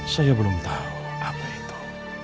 saya belum tahu apa itu